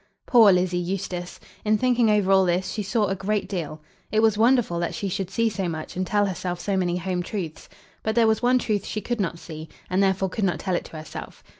Poor Lizzie Eustace! In thinking over all this, she saw a great deal. It was wonderful that she should see so much and tell herself so many home truths. But there was one truth she could not see, and therefore could not tell it to herself.